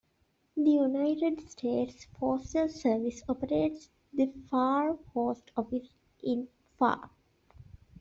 The United States Postal Service operates the Pharr Post Office in Pharr.